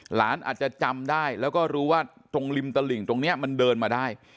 หลานอาจจะจำได้แล้วก็รู้ว่าตรงริมตลิ่งตรงนี้มันเดินมาได้